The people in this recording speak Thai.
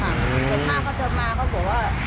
จนป้าเขาจะมาเขาบอกว่า